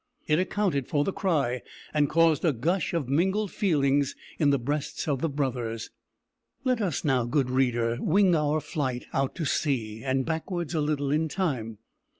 It accounted for the cry and caused a gush of mingled feelings in the breasts of the brothers. Let us now, good reader, wing our flight out to sea, and backwards a little in time.